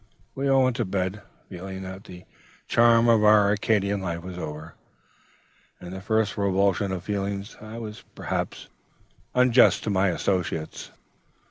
"We all went to bed, feeling that the charm of our Arcadian life was over.... In the first revulsion of feeling, I was perhaps unjust to my associates.